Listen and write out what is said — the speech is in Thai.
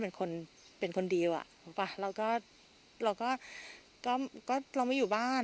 เป็นคนเป็นคนดีอ่ะเขาบอกว่าเราก็เราก็ก็ก็เราไม่อยู่บ้าน